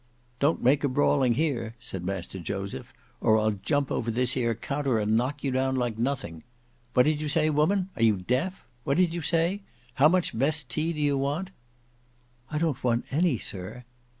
"Don't make a brawling here," said Master Joseph, "or I'll jump over this here counter and knock you down, like nothing. What did you say, woman? are you deaf? what did you say? how much best tea do you want?" "I don't want any, sir."